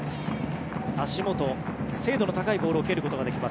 足元、精度の高いボールを蹴ることができます。